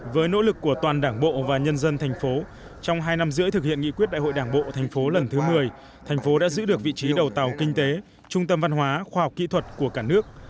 với nỗ lực của toàn đảng bộ và nhân dân tp trong hai năm rưỡi thực hiện nghị quyết đại hội đảng bộ tp lần thứ một mươi tp đã giữ được vị trí đầu tàu kinh tế trung tâm văn hóa khoa học kỹ thuật của cả nước